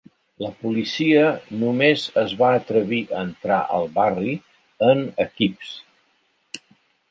La policia només es va atrevir a entrar al barri en equips.